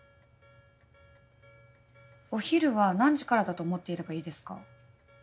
お昼は何時からだと思っていればいいですか？